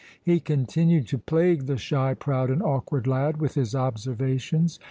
He continued to plague the shy, proud, and awkward lad with his observations.